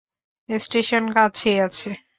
Station কাছেই আছে।